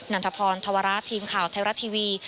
นันทพรธวราชทีมข่าวเทวรัตน์ทีวี